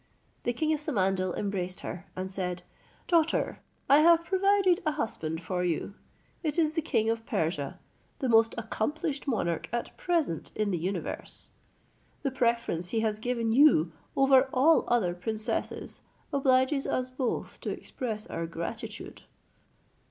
The king of Samandal embraced her, and said, "Daughter, I have provided a husband for you; it is the king of Persia, the most accomplished monarch at present in the universe. The preference he has given you over all other princesses obliges us both to express our gratitude."